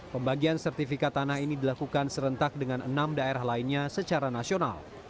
pembagian sertifikat tanah ini dilakukan serentak dengan enam daerah lainnya secara nasional